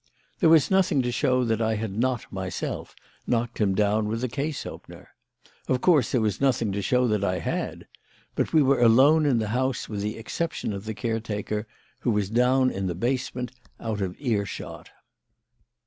"There was nothing to show that I had not, myself, knocked him down with the case opener. Of course, there was nothing to show that I had; but we were alone in the house with the exception of the caretaker, who was down in the basement out of ear shot.